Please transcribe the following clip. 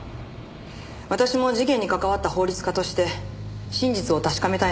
私も事件に関わった法律家として真実を確かめたいのは同じです。